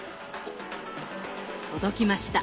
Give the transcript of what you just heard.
届きました！